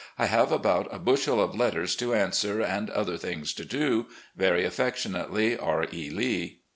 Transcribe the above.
I have about a bushel of letters to answer and other things to do. "Very affectionately, "R. E. Lee."